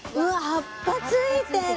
葉っぱついてる！